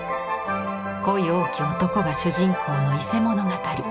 恋多き男が主人公の「伊勢物語」。